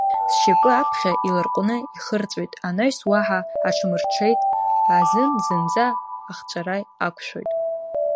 Сшьапы аԥхьа иларҟәны ихырҵәоит, анаҩс уаҳа аҽамырҽеит азын зынӡа ахҵәара ақәшәоит.